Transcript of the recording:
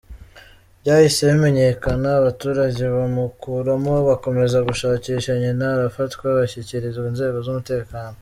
Byahise bimenyekana abaturage bamukuramo, bakomeza gushakisha nyina, arafatwa ashyikirizwa inzego z’umutekano.